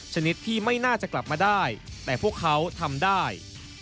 ชนิดที่ไม่น่าจะกลับมาได้แต่พวกเขาทำได้